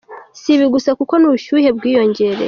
Si ibi gusa kuko n’ubushyuhe bwiyongereye.